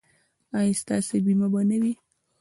ایا ستاسو بیمه به نه وي؟